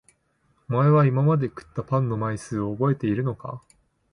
お前は今まで食ったパンの枚数を覚えているのか？